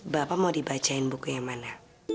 bapak mau dibacain buku yang mana